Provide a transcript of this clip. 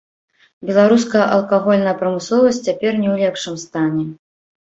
Беларуская алкагольная прамысловасць цяпер не ў лепшым стане.